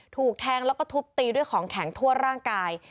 ถูกแทงแล้วก็ทุบตีด้วยของแข็งทั่วร่างกาย